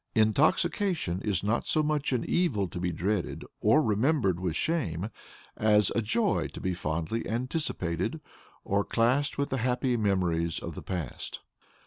Intoxication is not so much an evil to be dreaded or remembered with shame, as a joy to be fondly anticipated, or classed with the happy memories of the past.